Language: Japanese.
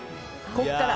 ここから。